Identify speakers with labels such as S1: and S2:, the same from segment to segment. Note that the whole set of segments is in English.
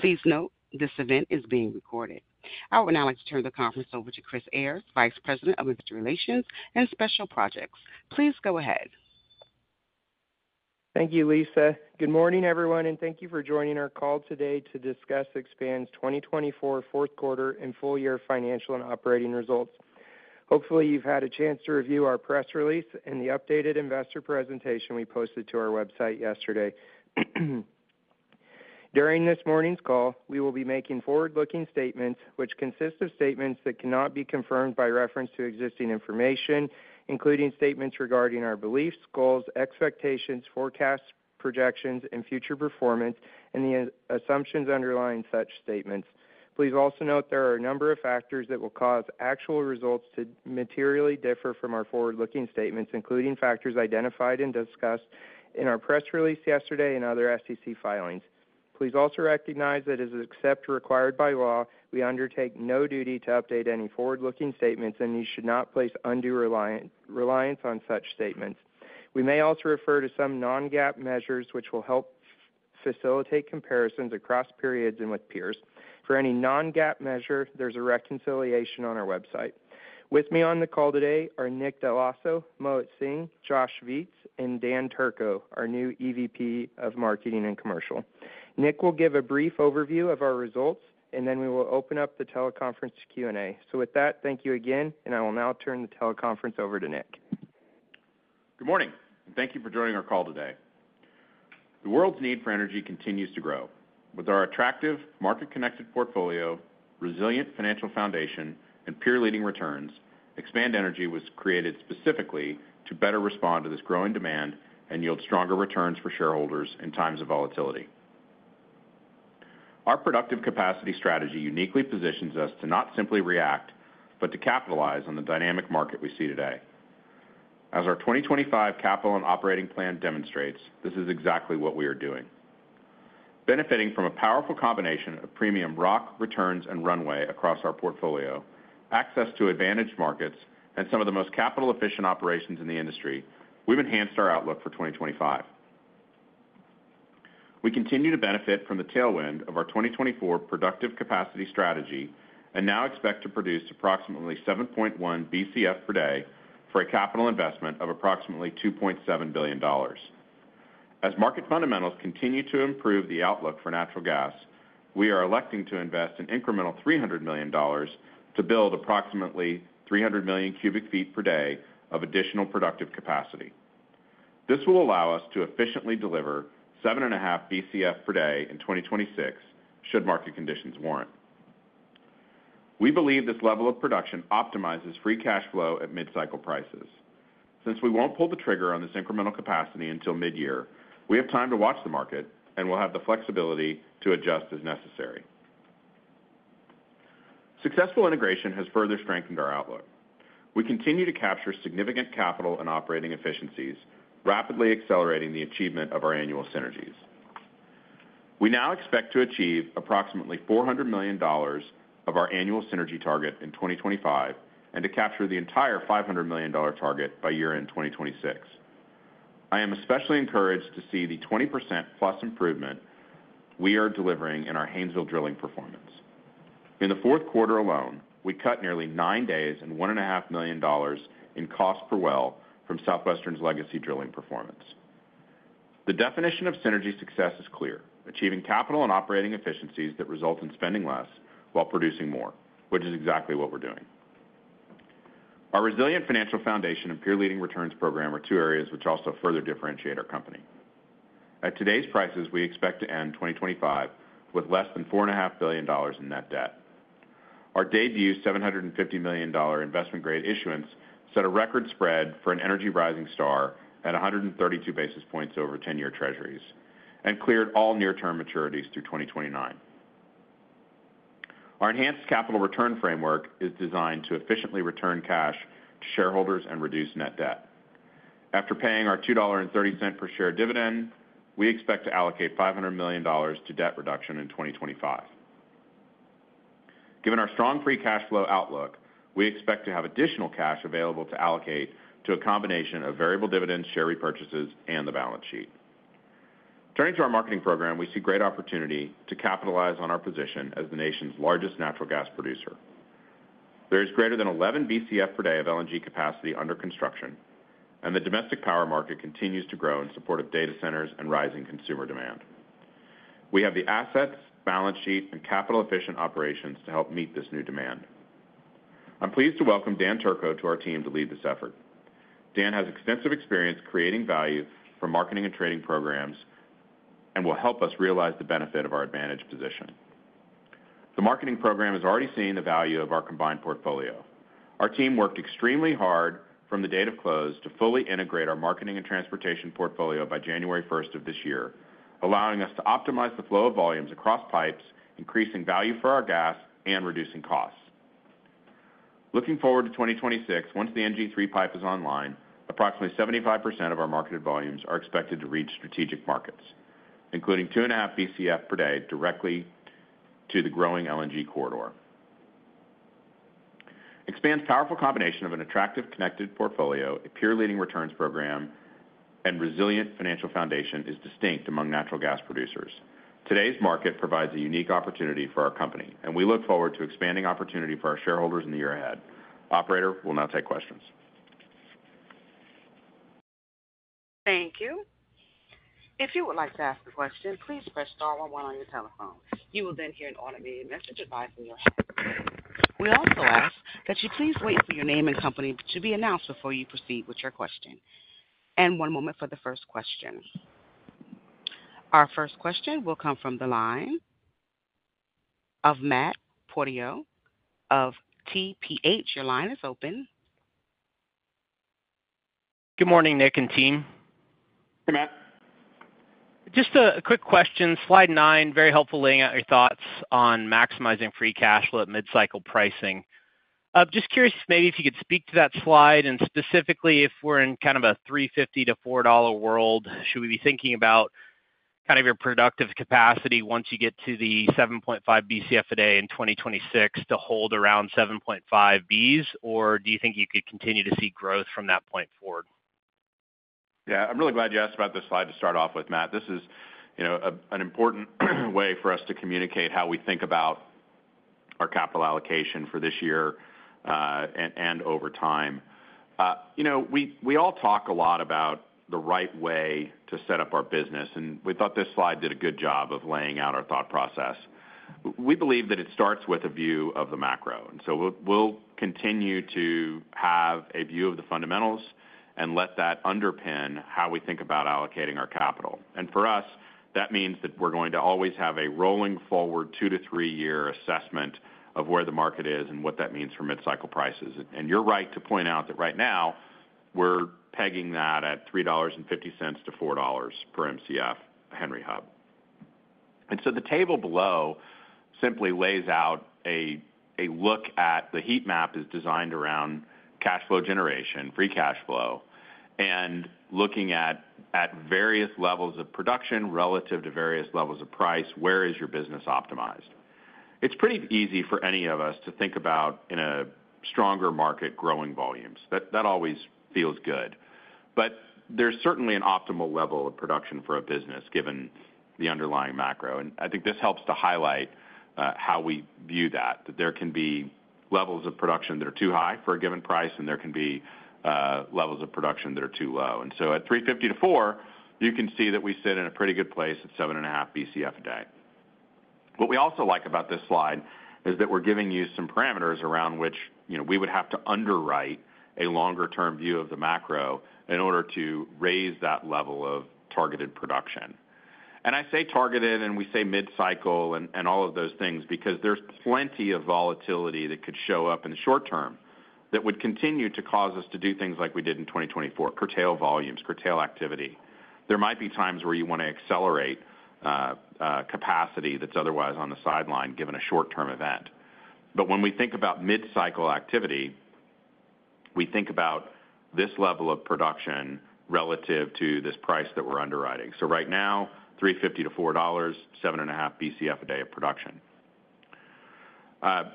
S1: Please note, this event is being recorded. I'd like to turn the call over to Chris Ayres, Vice President of Investor Relations and Special Projects. Please go ahead.
S2: Thank you, Lisa. Good morning, everyone, and thank you for joining our call today to discuss Expand's 2024 fourth quarter and full year financial and operating results. Hopefully, you've had a chance to review our press release and the updated investor presentation we posted to our website yesterday. During this morning's call, we will be making forward-looking statements, which consist of statements that cannot be confirmed by reference to existing information, including statements regarding our beliefs, goals, expectations, forecasts, projections, and future performance, and the assumptions underlying such statements. Please also note there are a number of factors that will cause actual results to materially differ from our forward-looking statements, including factors identified and discussed in our press release yesterday and other SEC filings. Please also recognize that, except as required by law, we undertake no duty to update any forward-looking statements, and you should not place undue reliance on such statements. We may also refer to some non-GAAP measures, which will help facilitate comparisons across periods and with peers. For any non-GAAP measure, there's a reconciliation on our website. With me on the call today are Nick Dell'Osso, Mohit Singh, Josh Viets, and Dan Turco, our new EVP of Marketing and Commercial. Nick will give a brief overview of our results, and then we will open up the teleconference to Q&A. So with that, thank you again, and I will now turn the teleconference over to Nick.
S3: Good morning, and thank you for joining our call today. The world's need for energy continues to grow. With our attractive, market-connected portfolio, resilient financial foundation, and peer-leading returns, Expand Energy was created specifically to better respond to this growing demand and yield stronger returns for shareholders in times of volatility. Our productive capacity strategy uniquely positions us to not simply react, but to capitalize on the dynamic market we see today. As our 2025 capital and operating plan demonstrates, this is exactly what we are doing. Benefiting from a powerful combination of premium rock returns and runway across our portfolio, access to advantaged markets, and some of the most capital-efficient operations in the industry, we've enhanced our outlook for 2025. We continue to benefit from the tailwind of our 2024 productive capacity strategy and now expect to produce approximately 7.1 Bcf per day for a capital investment of approximately $2.7 billion. As market fundamentals continue to improve the outlook for natural gas, we are electing to invest an incremental $300 million to build approximately 300 million cubic feet per day of additional productive capacity. This will allow us to efficiently deliver 7.5 Bcf per day in 2026, should market conditions warrant. We believe this level of production optimizes free cash flow at mid-cycle prices. Since we won't pull the trigger on this incremental capacity until mid-year, we have time to watch the market, and we'll have the flexibility to adjust as necessary. Successful integration has further strengthened our outlook. We continue to capture significant capital and operating efficiencies, rapidly accelerating the achievement of our annual synergies. We now expect to achieve approximately $400 million of our annual synergy target in 2025 and to capture the entire $500 million target by year-end 2026. I am especially encouraged to see the 20%+ improvement we are delivering in our Haynesville drilling performance. In the fourth quarter alone, we cut nearly nine days and $1.5 million in cost per well from Southwestern's legacy drilling performance. The definition of synergy success is clear: achieving capital and operating efficiencies that result in spending less while producing more, which is exactly what we're doing. Our resilient financial foundation and peer-leading returns program are two areas which also further differentiate our company. At today's prices, we expect to end 2025 with less than $4.5 billion in net debt. Our debut $750 million investment-grade issuance set a record spread for an energy Rising Star at 132 basis points over 10-year Treasuries and cleared all near-term maturities through 2029. Our enhanced capital return framework is designed to efficiently return cash to shareholders and reduce net debt. After paying our $2.30 per share dividend, we expect to allocate $500 million to debt reduction in 2025. Given our strong free cash flow outlook, we expect to have additional cash available to allocate to a combination of variable dividends, share repurchases, and the balance sheet. Turning to our marketing program, we see great opportunity to capitalize on our position as the nation's largest natural gas producer. There is greater than 11 Bcf per day of LNG capacity under construction, and the domestic power market continues to grow in support of data centers and rising consumer demand. We have the assets, balance sheet, and capital-efficient operations to help meet this new demand. I'm pleased to welcome Dan Turco to our team to lead this effort. Dan has extensive experience creating value for marketing and trading programs and will help us realize the benefit of our advantaged position. The marketing program has already seen the value of our combined portfolio. Our team worked extremely hard from the date of close to fully integrate our marketing and transportation portfolio by January 1st of this year, allowing us to optimize the flow of volumes across pipes, increasing value for our gas and reducing costs. Looking forward to 2026, once the NG3 pipe is online, approximately 75% of our marketed volumes are expected to reach strategic markets, including 2.5 Bcf per day directly to the growing LNG corridor. Expand's powerful combination of an attractive connected portfolio, a peer-leading returns program, and resilient financial foundation is distinct among natural gas producers. Today's market provides a unique opportunity for our company, and we look forward to expanding opportunity for our shareholders in the year ahead. Operator will now take questions.
S1: Thank you. If you would like to ask a question, please press star one one on your telephone. You will then hear an automated message advising your hand. We also ask that you please wait for your name and company to be announced before you proceed with your question. And one moment for the first question. Our first question will come from the line of Matt Portillo of TPH. Your line is open.
S4: Good morning, Nick and team.
S3: Hey, Matt.
S4: Just a quick question. Slide 9, very helpful laying out your thoughts on maximizing free cash flow at mid-cycle pricing. Just curious maybe if you could speak to that slide and specifically if we're in kind of a $3.50-$4 world, should we be thinking about kind of your productive capacity once you get to the 7.5 Bcf a day in 2026 to hold around 7.5 Bs, or do you think you could continue to see growth from that point forward?
S3: Yeah, I'm really glad you asked about this slide to start off with, Matt. This is an important way for us to communicate how we think about our capital allocation for this year and over time. We all talk a lot about the right way to set up our business, and we thought this slide did a good job of laying out our thought process. We believe that it starts with a view of the macro, and so we'll continue to have a view of the fundamentals and let that underpin how we think about allocating our capital, and for us, that means that we're going to always have a rolling forward two to three-year assessment of where the market is and what that means for mid-cycle prices, and you're right to point out that right now we're pegging that at $3.50-$4 per Mcf Henry Hub. And so the table below simply lays out a look at the heat map. It is designed around cash flow generation, free cash flow, and looking at various levels of production relative to various levels of price. Where is your business optimized? It's pretty easy for any of us to think about in a stronger market growing volumes. That always feels good. But there's certainly an optimal level of production for a business given the underlying macro. And I think this helps to highlight how we view that, that there can be levels of production that are too high for a given price, and there can be levels of production that are too low. And so at $3.50-$4, you can see that we sit in a pretty good place at 7.5 Bcf a day. What we also like about this slide is that we're giving you some parameters around which we would have to underwrite a longer-term view of the macro in order to raise that level of targeted production, and I say targeted, and we say mid-cycle and all of those things because there's plenty of volatility that could show up in the short term that would continue to cause us to do things like we did in 2024, curtail volumes, curtail activity. There might be times where you want to accelerate capacity that's otherwise on the sidelines given a short-term event, but when we think about mid-cycle activity, we think about this level of production relative to this price that we're underwriting, so right now, $3.50-$4, 7.5 Bcf a day of production. I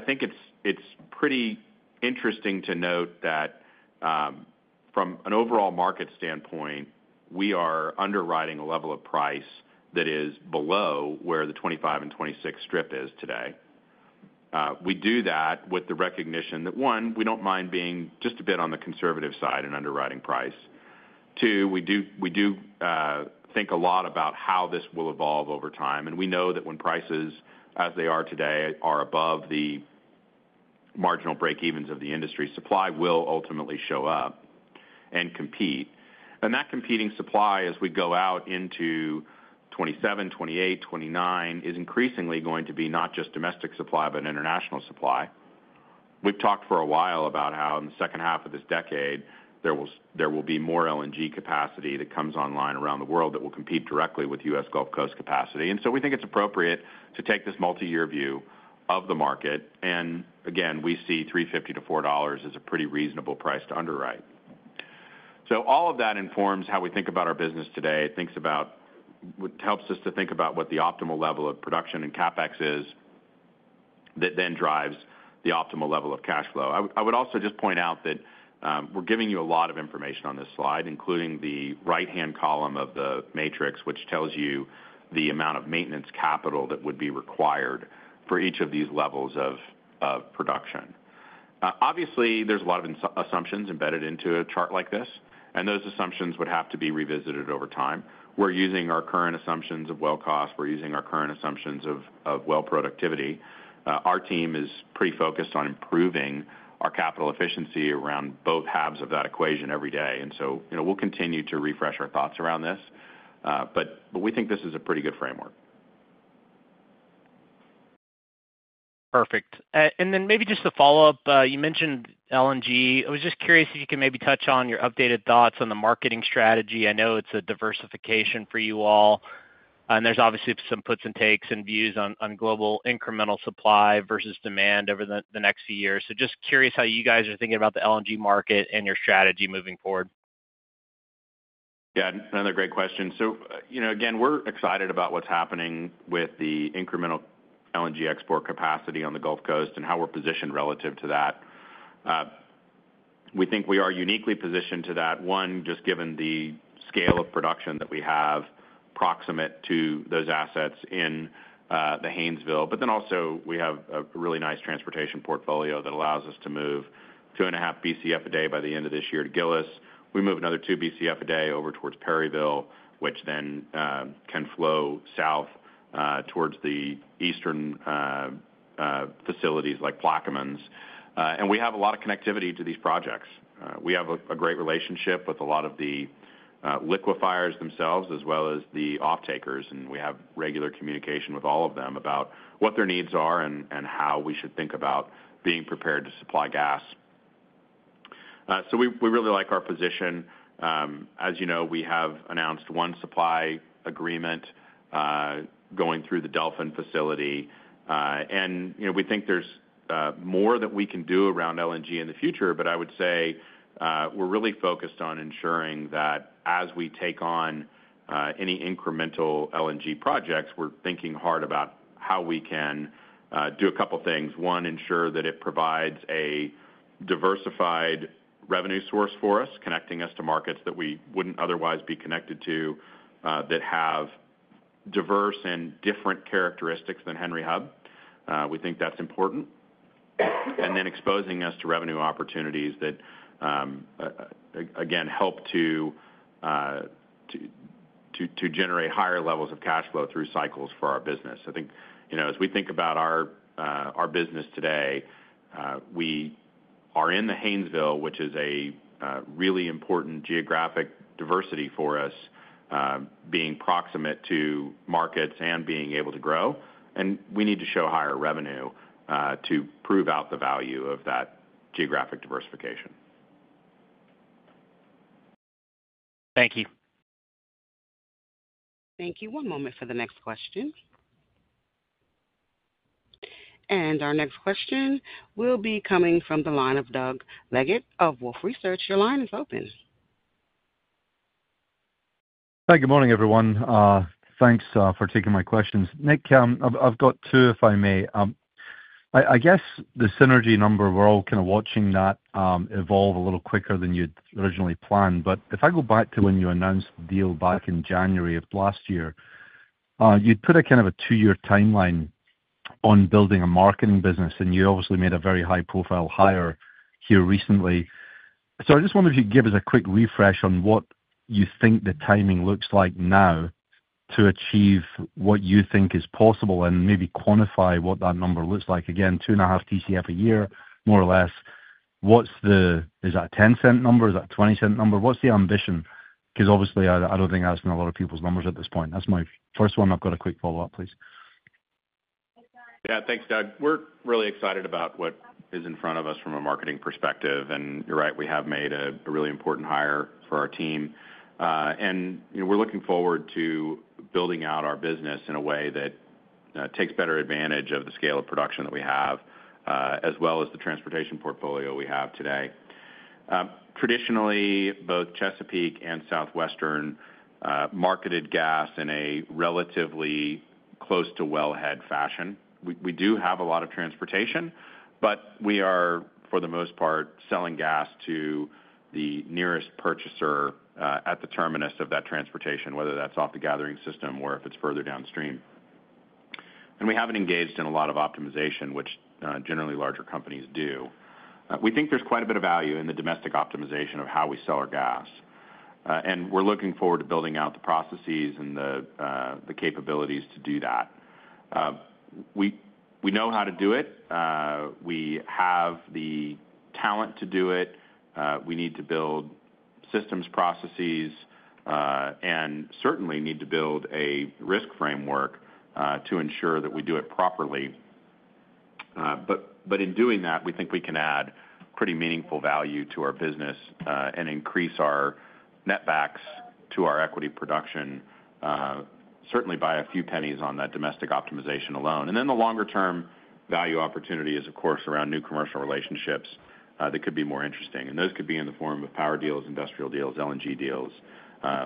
S3: think it's pretty interesting to note that from an overall market standpoint, we are underwriting a level of price that is below where the 2025 and 2026 strip is today. We do that with the recognition that, one, we don't mind being just a bit on the conservative side in underwriting price. Two, we do think a lot about how this will evolve over time. And we know that when prices, as they are today, are above the marginal breakevens of the industry, supply will ultimately show up and compete. And that competing supply, as we go out into 2027, 2028, 2029, is increasingly going to be not just domestic supply, but international supply. We've talked for a while about how in the second half of this decade, there will be more LNG capacity that comes online around the world that will compete directly with U.S. Gulf Coast capacity. And so we think it's appropriate to take this multi-year view of the market. And again, we see $3.50-$4 as a pretty reasonable price to underwrite. So all of that informs how we think about our business today, helps us to think about what the optimal level of production and CapEx is that then drives the optimal level of cash flow. I would also just point out that we're giving you a lot of information on this slide, including the right-hand column of the matrix, which tells you the amount of maintenance capital that would be required for each of these levels of production. Obviously, there's a lot of assumptions embedded into a chart like this, and those assumptions would have to be revisited over time. We're using our current assumptions of well cost. We're using our current assumptions of well productivity. Our team is pretty focused on improving our capital efficiency around both halves of that equation every day, and so we'll continue to refresh our thoughts around this, but we think this is a pretty good framework.
S4: Perfect, and then maybe just to follow up, you mentioned LNG. I was just curious if you could maybe touch on your updated thoughts on the marketing strategy. I know it's a diversification for you all, and there's obviously some puts and takes and views on global incremental supply versus demand over the next few years, so just curious how you guys are thinking about the LNG market and your strategy moving forward.
S3: Yeah, another great question. So again, we're excited about what's happening with the incremental LNG export capacity on the Gulf Coast and how we're positioned relative to that. We think we are uniquely positioned to that, one, just given the scale of production that we have proximate to those assets in the Haynesville. But then also, we have a really nice transportation portfolio that allows us to move 2.5 Bcf a day by the end of this year to Gillis. We move another 2 Bcf a day over towards Perryville, which then can flow south towards the eastern facilities like Plaquemines. And we have a lot of connectivity to these projects. We have a great relationship with a lot of the liquefiers themselves as well as the off-takers, and we have regular communication with all of them about what their needs are and how we should think about being prepared to supply gas. So we really like our position. As you know, we have announced one supply agreement going through the Delfin facility, and we think there's more that we can do around LNG in the future, but I would say we're really focused on ensuring that as we take on any incremental LNG projects, we're thinking hard about how we can do a couple of things. One, ensure that it provides a diversified revenue source for us, connecting us to markets that we wouldn't otherwise be connected to that have diverse and different characteristics than Henry Hub. We think that's important. And then exposing us to revenue opportunities that, again, help to generate higher levels of cash flow through cycles for our business. I think as we think about our business today, we are in the Haynesville, which is a really important geographic diversity for us, being proximate to markets and being able to grow. And we need to show higher revenue to prove out the value of that geographic diversification.
S4: Thank you.
S1: Thank you. One moment for the next question. And our next question will be coming from the line of Doug Leggett of Wolfe Research. Your line is open.
S5: Hi, good morning, everyone. Thanks for taking my questions. Nick, I've got two, if I may. I guess the synergy number, we're all kind of watching that evolve a little quicker than you'd originally planned. But if I go back to when you announced the deal back in January of last year, you'd put a kind of a two-year timeline on building a marketing business, and you obviously made a very high-profile hire here recently. So I just wonder if you could give us a quick refresh on what you think the timing looks like now to achieve what you think is possible and maybe quantify what that number looks like. Again, 2.5 Tcf a year, more or less. Is that a $0.10 number? Is that a $0.20 number? What's the ambition? Because obviously, I don't think I've seen a lot of people's numbers at this point. That's my first one. I've got a quick follow-up, please.
S3: Yeah, thanks, Doug. We're really excited about what is in front of us from a marketing perspective. And you're right, we have made a really important hire for our team. And we're looking forward to building out our business in a way that takes better advantage of the scale of production that we have, as well as the transportation portfolio we have today. Traditionally, both Chesapeake and Southwestern marketed gas in a relatively close-to-wellhead fashion. We do have a lot of transportation, but we are, for the most part, selling gas to the nearest purchaser at the terminus of that transportation, whether that's off the gathering system or if it's further downstream. And we haven't engaged in a lot of optimization, which generally larger companies do. We think there's quite a bit of value in the domestic optimization of how we sell our gas. We're looking forward to building out the processes and the capabilities to do that. We know how to do it. We have the talent to do it. We need to build systems, processes, and certainly need to build a risk framework to ensure that we do it properly. In doing that, we think we can add pretty meaningful value to our business and increase our netbacks to our equity production, certainly by a few pennies on that domestic optimization alone. The longer-term value opportunity is, of course, around new commercial relationships that could be more interesting. Those could be in the form of power deals, industrial deals, LNG deals,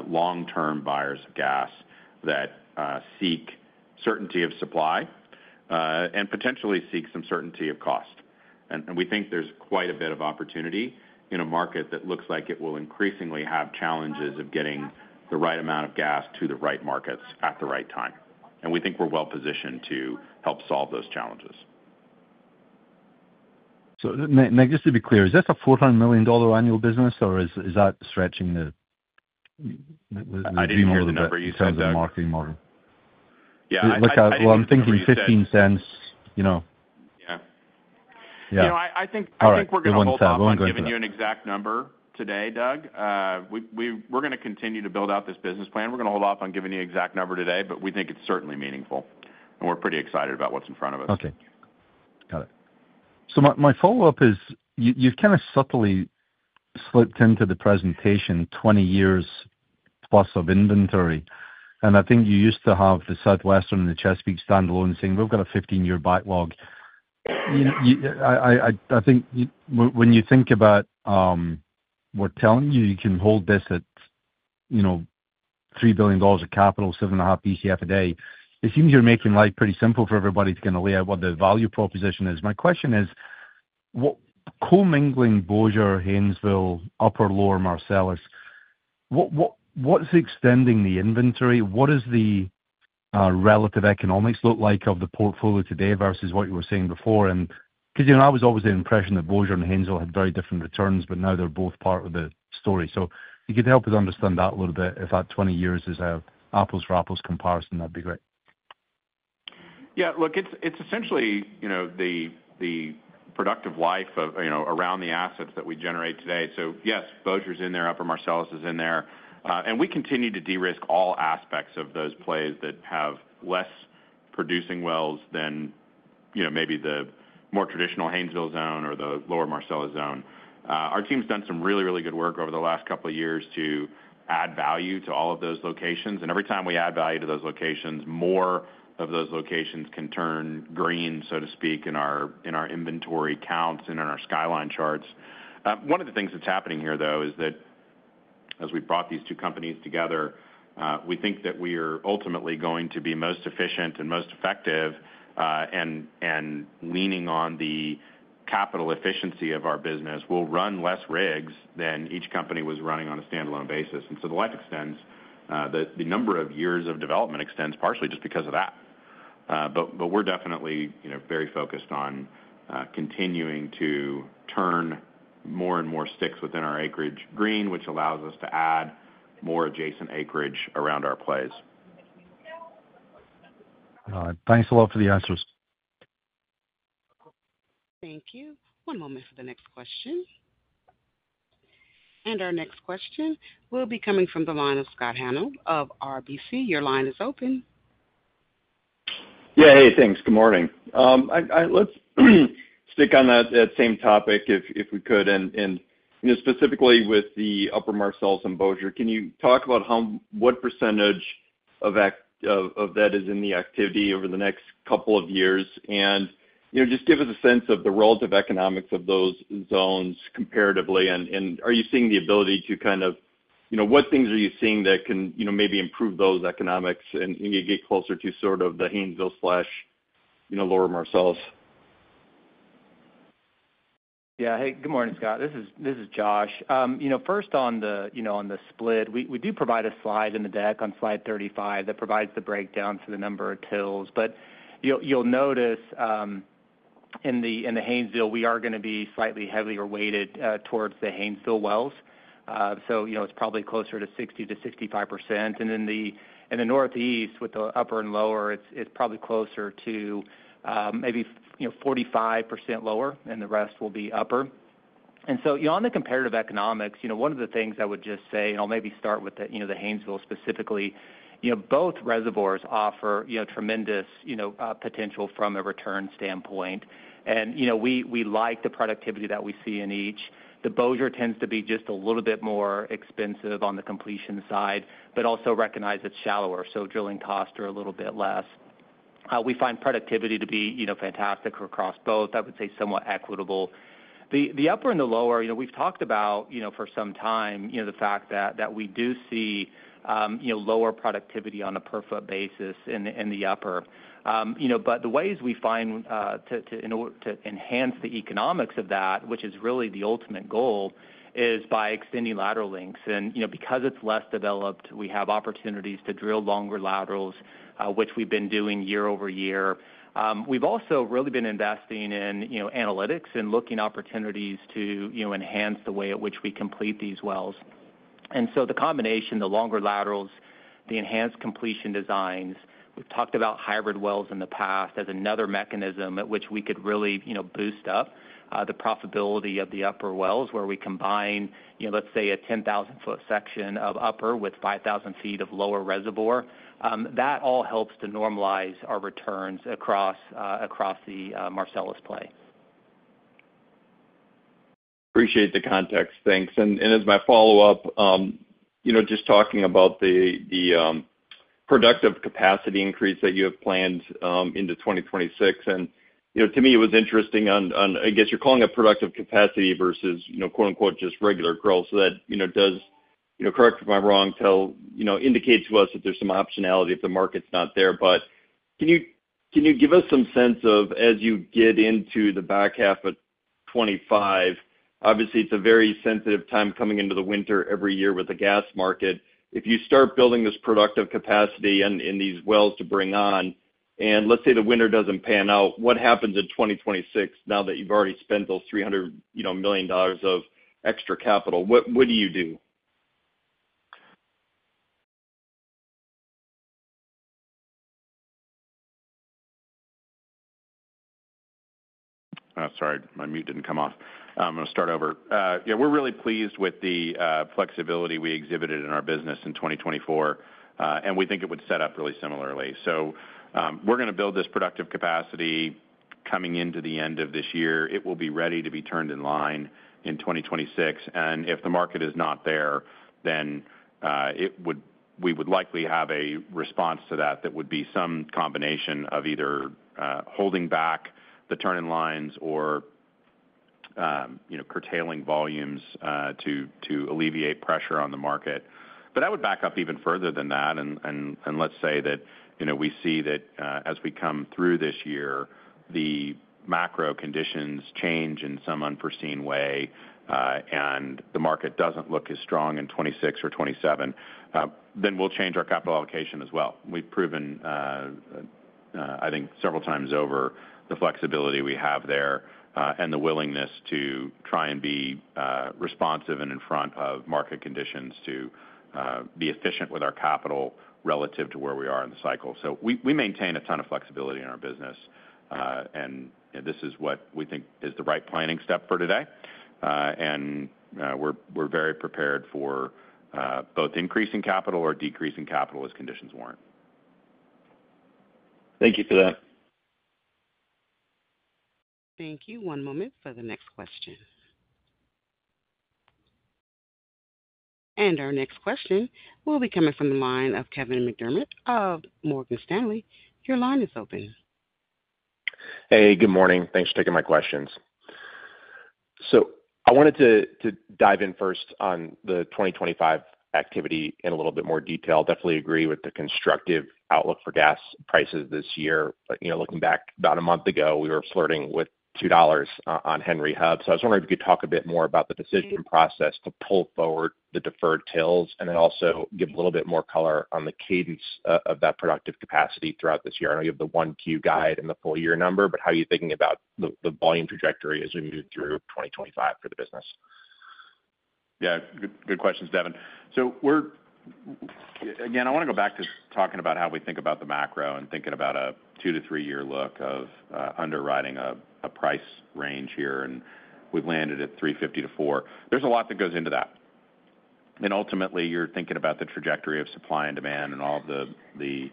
S3: long-term buyers of gas that seek certainty of supply and potentially seek some certainty of cost. We think there's quite a bit of opportunity in a market that looks like it will increasingly have challenges of getting the right amount of gas to the right markets at the right time. We think we're well-positioned to help solve those challenges.
S5: So Nick, just to be clear, is that a $400 million annual business, or is that stretching the number you said as a marketing model?
S3: Yeah, I think it's $0.15. Yeah. I think we're going to. I won't give you an exact number today, Doug. We're going to continue to build out this business plan. We're going to hold off on giving you an exact number today, but we think it's certainly meaningful. And we're pretty excited about what's in front of us.
S5: Okay. Got it. So my follow-up is you've kind of subtly slipped into the presentation 20 years plus of inventory. And I think you used to have the Southwestern and the Chesapeake standalone saying, "We've got a 15-year backlog." I think when you think about what we're telling you, you can hold this at $3 billion of capital, 7.5 Bcf a day. It seems you're making life pretty simple for everybody to kind of lay out what the value proposition is. My question is, co-mingling Bossier Haynesville, Upper Marcellus, what's extending the inventory? What does the relative economics look like of the portfolio today versus what you were saying before? Because I was always the impression that Bossier and Haynesville had very different returns, but now they're both part of the story. So if you could help us understand that a little bit, if that 20 years is an apples-for-apples comparison, that'd be great.
S3: Yeah. Look, it's essentially the productive life around the assets that we generate today. So yes, Bossier's in there, Upper Marcellus is in there. And we continue to de-risk all aspects of those plays that have less producing wells than maybe the more traditional Haynesville zone or the Lower Marcellus zone. Our team's done some really, really good work over the last couple of years to add value to all of those locations. And every time we add value to those locations, more of those locations can turn green, so to speak, in our inventory counts and in our skyline charts. One of the things that's happening here, though, is that as we brought these two companies together, we think that we are ultimately going to be most efficient and most effective and leaning on the capital efficiency of our business. We'll run less rigs than each company was running on a standalone basis, and so the life extends, the number of years of development extends partially just because of that, but we're definitely very focused on continuing to turn more and more sticks within our acreage green, which allows us to add more adjacent acreage around our plays.
S5: All right. Thanks a lot for the answers.
S1: Thank you. One moment for the next question. And our next question will be coming from the line of Scott Hanold of RBC. Your line is open.
S6: Yeah. Hey, thanks. Good morning. Let's stick on that same topic if we could. And specifically with the Upper Marcellus and Bossier, can you talk about what percentage of that is in the activity over the next couple of years? And just give us a sense of the relative economics of those zones comparatively. And are you seeing the ability to kind of what things are you seeing that can maybe improve those economics and get closer to sort of the Haynesville slash Lower Marcellus?
S7: Yeah. Hey, good morning, Scott. This is Josh. First, on the split, we do provide a slide in the deck on Slide 35 that provides the breakdown for the number of TILs. But you'll notice in the Haynesville, we are going to be slightly heavier weighted towards the Haynesville wells. So it's probably closer to 60%-65%. And in the Northeast with the Upper and Lower, it's probably closer to maybe 45% Lower, and the rest will be Upper. And so on the comparative economics, one of the things I would just say, and I'll maybe start with the Haynesville specifically, both reservoirs offer tremendous potential from a return standpoint. And we like the productivity that we see in each. The Bossier tends to be just a little bit more expensive on the completion side, but also recognize it's shallower, so drilling costs are a little bit less. We find productivity to be fantastic across both. I would say somewhat equitable. The Upper and the Lower, we've talked about for some time the fact that we do see Lower productivity on a per-foot basis in the Upper. But the ways we find to enhance the economics of that, which is really the ultimate goal, is by extending lateral lengths. And because it's less developed, we have opportunities to drill longer laterals, which we've been doing year-over-year. We've also really been investing in analytics and looking at opportunities to enhance the way at which we complete these wells. So the combination, the longer laterals, the enhanced completion designs, we've talked about hybrid wells in the past as another mechanism at which we could really boost up the profitability of the Upper wells where we combine, let's say, a 10,000-foot section of Upper with 5,000 feet of Lower reservoir. That all helps to normalize our returns across the Marcellus play.
S6: Appreciate the context. Thanks, and as my follow-up, just talking about the productive capacity increase that you have planned into 2026, and to me, it was interesting on, I guess you're calling it productive capacity versus "just regular growth," so that does, correct me if I'm wrong, indicate to us that there's some optionality if the market's not there. But can you give us some sense of, as you get into the back half of 2025, obviously, it's a very sensitive time coming into the winter every year with the gas market. If you start building this productive capacity in these wells to bring on, and let's say the winter doesn't pan out, what happens in 2026 now that you've already spent those $300 million of extra capital? What do you do?
S3: Sorry, my mute didn't come off. I'm going to start over. Yeah, we're really pleased with the flexibility we exhibited in our business in 2024, and we think it would set up really similarly, so we're going to build this productive capacity coming into the end of this year. It will be ready to be turned in line in 2026, and if the market is not there, then we would likely have a response to that that would be some combination of either holding back the turn-in lines or curtailing volumes to alleviate pressure on the market, but I would back up even further than that, and let's say that we see that as we come through this year, the macro conditions change in some unforeseen way, and the market doesn't look as strong in 2026 or 2027, then we'll change our capital allocation as well. We've proven, I think, several times over the flexibility we have there and the willingness to try and be responsive and in front of market conditions to be efficient with our capital relative to where we are in the cycle. So we maintain a ton of flexibility in our business. And this is what we think is the right planning step for today. And we're very prepared for both increasing capital or decreasing capital as conditions warrant.
S6: Thank you for that.
S1: Thank you. One moment for the next question. Our next question will be coming from the line of Devin McDermott of Morgan Stanley. Your line is open.
S8: Hey, good morning. Thanks for taking my questions. So I wanted to dive in first on the 2025 activity in a little bit more detail. Definitely agree with the constructive outlook for gas prices this year. Looking back about a month ago, we were flirting with $2 on Henry Hub. So I was wondering if you could talk a bit more about the decision process to pull forward the deferred TILs and then also give a little bit more color on the cadence of that productive capacity throughout this year. I know you have the Q1 guide and the full year number, but how are you thinking about the volume trajectory as we move through 2025 for the business?
S3: Yeah. Good questions, Devin. So again, I want to go back to talking about how we think about the macro and thinking about a two to three-year look of underwriting a price range here. And we've landed at $3.50-$4. There's a lot that goes into that. And ultimately, you're thinking about the trajectory of supply and demand and all of the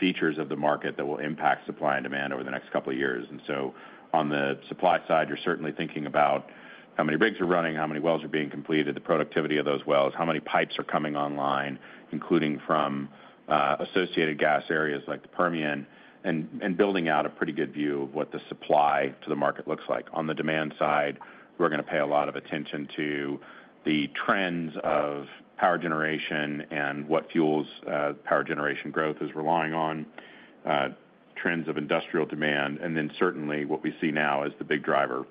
S3: features of the market that will impact supply and demand over the next couple of years. And so on the supply side, you're certainly thinking about how many rigs are running, how many wells are being completed, the productivity of those wells, how many pipes are coming online, including from associated gas areas like the Permian, and building out a pretty good view of what the supply to the market looks like. On the demand side, we're going to pay a lot of attention to the trends of power generation and what fuels power generation growth is relying on, trends of industrial demand, and then certainly, what we see now as the big driver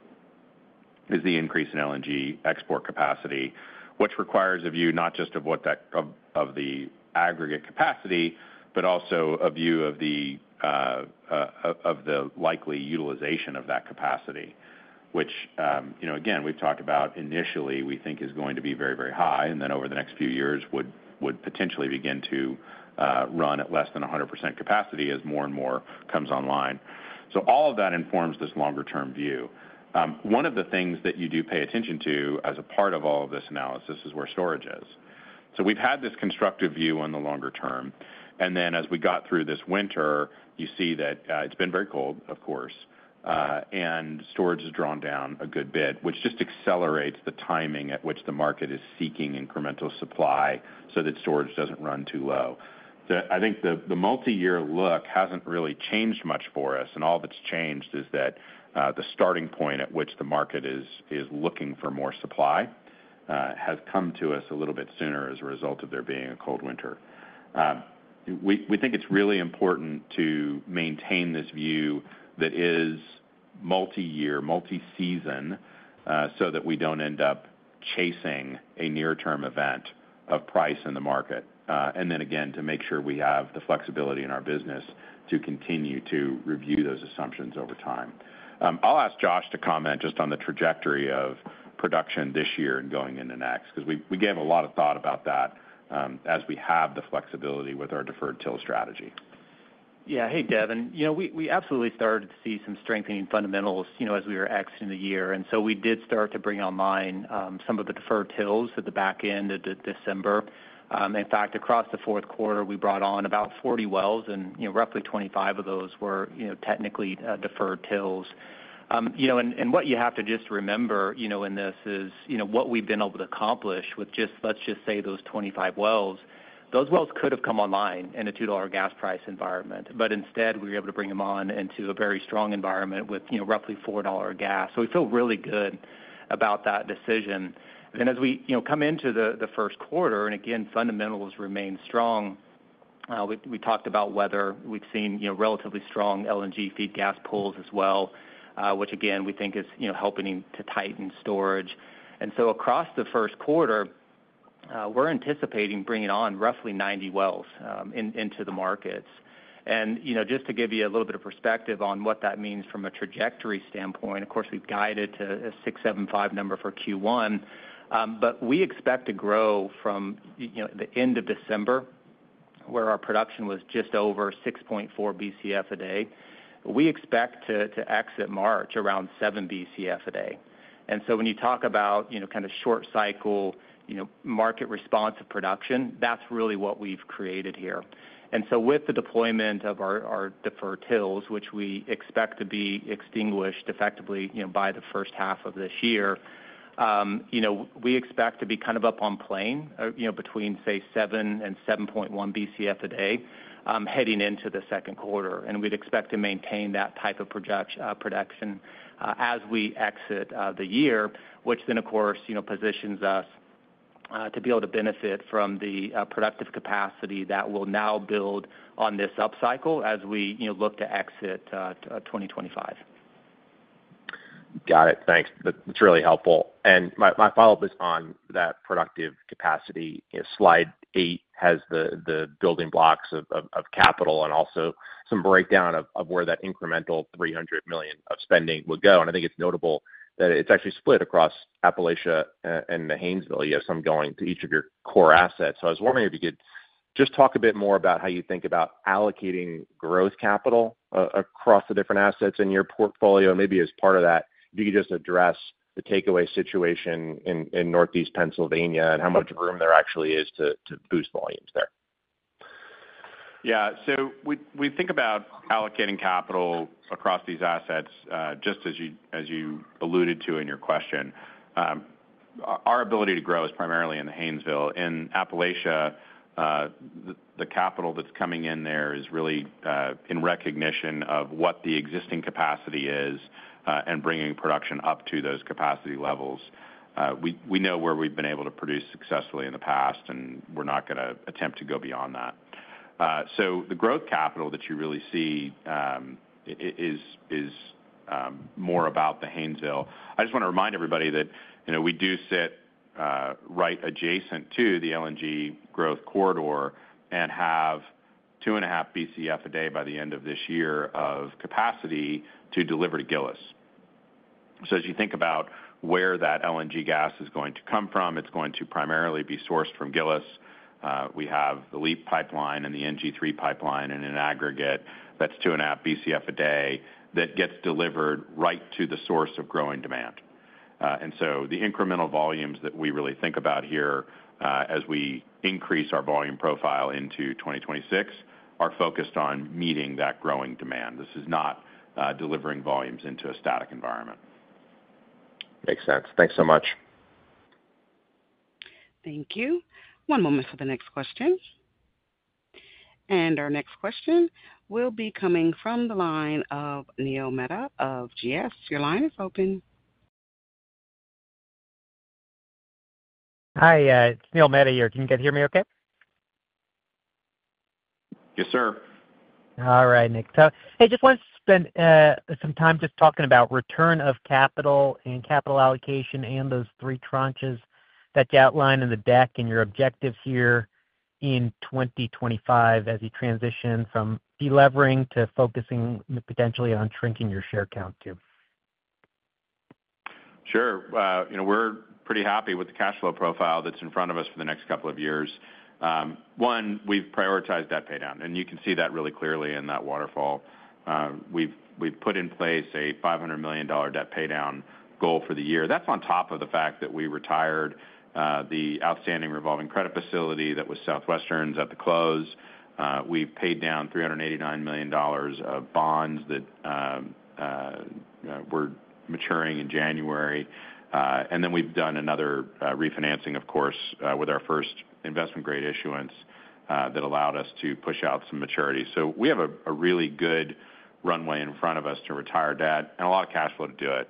S3: is the increase in LNG export capacity, which requires a view not just of the aggregate capacity, but also a view of the likely utilization of that capacity, which, again, we've talked about initially, we think is going to be very, very high, and then over the next few years would potentially begin to run at less than 100% capacity as more and more comes online. So all of that informs this longer-term view. One of the things that you do pay attention to as a part of all of this analysis is where storage is, so we've had this constructive view on the longer term. And then as we got through this winter, you see that it's been very cold, of course, and storage has drawn down a good bit, which just accelerates the timing at which the market is seeking incremental supply so that storage doesn't run too low. So I think the multi-year look hasn't really changed much for us. And all that's changed is that the starting point at which the market is looking for more supply has come to us a little bit sooner as a result of there being a cold winter. We think it's really important to maintain this view that is multi-year, multi-season so that we don't end up chasing a near-term event of price in the market. And then again, to make sure we have the flexibility in our business to continue to review those assumptions over time. I'll ask Josh to comment just on the trajectory of production this year and going into next because we gave a lot of thought about that as we have the flexibility with our deferred TIL strategy.
S7: Yeah. Hey, Devin. We absolutely started to see some strengthening fundamentals as we were exiting the year, and so we did start to bring online some of the deferred TILs at the back end of December. In fact, across the fourth quarter, we brought on about 40 wells, and roughly 25 of those were technically deferred TILs. And what you have to just remember in this is what we've been able to accomplish with just, let's just say, those 25 wells. Those wells could have come online in a $2 gas price environment, but instead, we were able to bring them on into a very strong environment with roughly $4 gas. So we feel really good about that decision. Then as we come into the first quarter, and again, fundamentals remain strong. We talked about whether we've seen relatively strong LNG feed gas pulls as well, which again, we think is helping to tighten storage. And so across the first quarter, we're anticipating bringing on roughly 90 wells into the markets. And just to give you a little bit of perspective on what that means from a trajectory standpoint, of course, we've guided to a 6.75 number for Q1, but we expect to grow from the end of December, where our production was just over 6.4 Bcf a day. We expect to exit March around 7 Bcf a day. And so when you talk about kind of short-cycle market response of production, that's really what we've created here. And so with the deployment of our deferred TILs, which we expect to be extinguished effectively by the first half of this year, we expect to be kind of up on plane between, say, 7-7.1 Bcf a day heading into the second quarter. And we'd expect to maintain that type of production as we exit the year, which then, of course, positions us to be able to benefit from the productive capacity that will now build on this upcycle as we look to exit 2025.
S8: Got it. Thanks. That's really helpful. And my follow-up is on that productive capacity. Slide 8 has the building blocks of capital and also some breakdown of where that incremental $300 million of spending would go. And I think it's notable that it's actually split across Appalachia and the Haynesville. You have some going to each of your core assets. So I was wondering if you could just talk a bit more about how you think about allocating growth capital across the different assets in your portfolio. And maybe as part of that, if you could just address the takeaway situation in Northeast Pennsylvania and how much room there actually is to boost volumes there.
S3: Yeah. So we think about allocating capital across these assets, just as you alluded to in your question. Our ability to grow is primarily in the Haynesville. In Appalachia, the capital that's coming in there is really in recognition of what the existing capacity is and bringing production up to those capacity levels. We know where we've been able to produce successfully in the past, and we're not going to attempt to go beyond that. So the growth capital that you really see is more about the Haynesville. I just want to remind everybody that we do sit right adjacent to the LNG growth corridor and have 2.5 Bcf a day by the end of this year of capacity to deliver to Gillis. So as you think about where that LNG gas is going to come from, it's going to primarily be sourced from Gillis. We have the LEAP Pipeline and the NG3 Pipeline in an aggregate that's 2.5 Bcf a day that gets delivered right to the source of growing demand, and so the incremental volumes that we really think about here as we increase our volume profile into 2026 are focused on meeting that growing demand. This is not delivering volumes into a static environment.
S8: Makes sense. Thanks so much.
S1: Thank you. One moment for the next question. Our next question will be coming from the line of Neil Mehta of GS. Your line is open.
S9: Hi. It's Neil Mehta here. Can you guys hear me okay?
S3: Yes, sir.
S9: All right, Nick. So hey, just wanted to spend some time just talking about return of capital and capital allocation and those three tranches that you outlined in the deck and your objectives here in 2025 as you transition from delivering to focusing potentially on shrinking your share count too.
S3: Sure. We're pretty happy with the cash flow profile that's in front of us for the next couple of years. One, we've prioritized debt paydown. And you can see that really clearly in that waterfall. We've put in place a $500 million debt paydown goal for the year. That's on top of the fact that we retired the outstanding revolving credit facility that was Southwestern's at the close. We've paid down $389 million of bonds that were maturing in January. And then we've done another refinancing, of course, with our first investment-grade issuance that allowed us to push out some maturity. So we have a really good runway in front of us to retire debt and a lot of cash flow to do it.